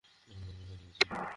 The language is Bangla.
আমার মানিব্যাগ হারিয়ে গেছে কীভাবে?